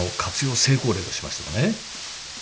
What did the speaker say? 成功例としましてもね。